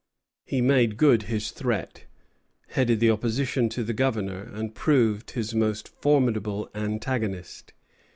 He made good his threat, headed the opposition to the Governor, and proved his most formidable antagonist.